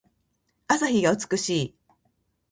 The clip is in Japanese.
朝日が美しい。